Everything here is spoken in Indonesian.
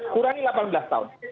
kurangi delapan belas tahun